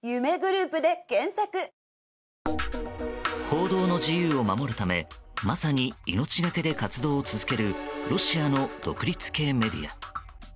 報道の自由を守るためまさに命がけで活動を続けるロシアの独立系メディア。